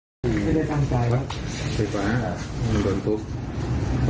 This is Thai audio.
คนโทรโมยก็สุดท้ายช่วงช่วยแห่งใจก็ดูกันนะครับ